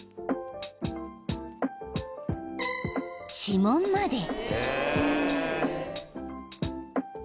［指紋まで］